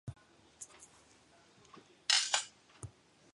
Grown from seed the plants take around five years to flower.